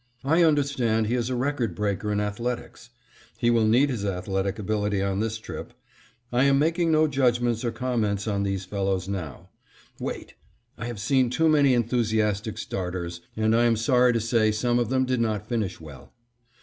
I understand he is a record breaker in athletics. He will need his athletic ability on this trip. I am making no judgments or comments on these fellows now. Wait; I have seen too many enthusiastic starters, and I am sorry to say some of them did not finish well.